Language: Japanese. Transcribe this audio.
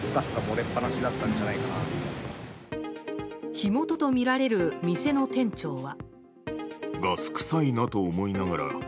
火元とみられる店の店長は。